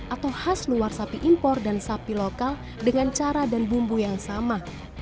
atau khas luar sapi impor dan sapi lokal dengan cara dan bumbu yang sama